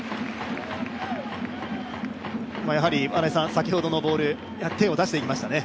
やはり先ほどのボール、手を出していきましたね。